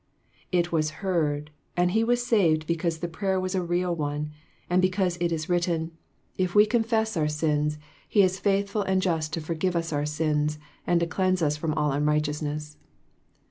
It was heard, and he was saved because the prayer was a real one, and because it is written 374 A MODERN MARTYR. "If we confess our sins, he is faithful and just to forgive us our sins, and to cleanse us from all unrighteousness."